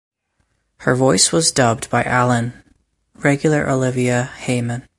Her voice was dubbed by Allen regular Olivia Hayman.